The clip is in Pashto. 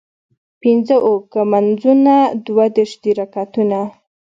پينځۀ اوکه مونځونه دوه دېرش دي رکعتونه